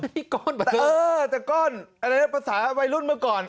นี่ก้อนแบบเออแต่ก้อนอะไรนะภาษาวัยรุ่นเมื่อก่อน